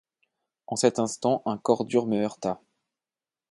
En cet instant, un corps dur me heurta.